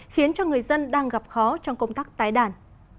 khiến cho người dân đang gặp khó trong công tác tái đàn